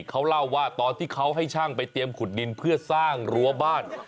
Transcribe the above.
เขาเล่าว่าตอนที่เขาให้ช่างไปเตรียมขุดดินเพื่อสร้างรั้วบ้าน